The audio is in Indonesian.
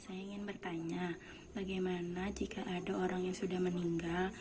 saya ingin bertanya bagaimana jika ada orang yang sudah meninggal